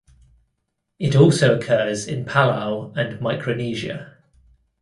It also occurs in Palau and Micronesia.